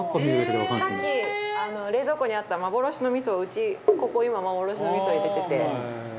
さっき冷蔵庫にあったまぼろしの味噌をうちここ今まぼろしの味噌を入れてて。